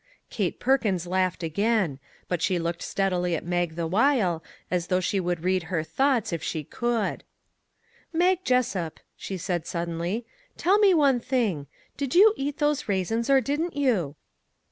" Kate Perkins laughed again ; but she looked 124 THINGS " WORKING TOGETHER " steadily at Mag the while, as though she would read her thoughts if she could. " Mag Jessup," she said suddenly, " tell me one thing. Did you eat those raisins, or didn't you?"